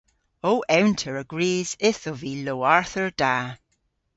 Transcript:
Ow ewnter a grys yth ov vy lowarther da.